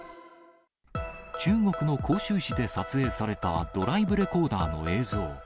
中国の広州市で撮影されたドライブレコーダーの映像。